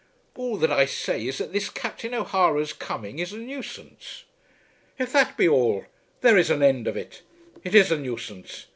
"All that I say is that this Captain O'Hara's coming is a nuisance." "If that be all, there is an end of it. It is a nuisance.